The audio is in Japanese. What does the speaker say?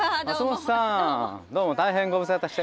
松本さんどうも大変ご無沙汰して。